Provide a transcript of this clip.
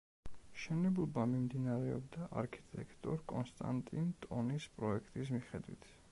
მშენებლობა მიმდინარეობდა არქიტექტორ კონსტანტინ ტონის პროექტის მიხედვით.